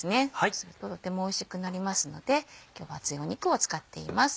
するととてもおいしくなりますので今日は厚い肉を使っています。